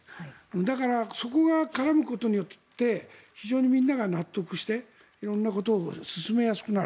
だから、そこが絡むことによって非常にみんなが納得して色んなことを進めやすくなる。